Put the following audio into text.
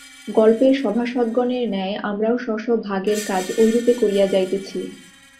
গল্পের সভাসদগণের ন্যায় আমরাও স্ব স্ব ভাগের কাজ ঐরূপে করিয়া যাইতেছি।